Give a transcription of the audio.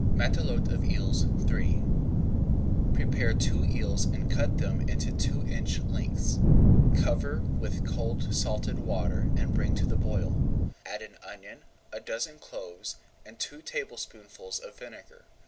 MATELOTE OF EELS III Prepare two eels and cut them into two inch lengths. Cover with cold salted water and bring to the boil. Add an onion, a dozen cloves, and two tablespoonfuls of vinegar.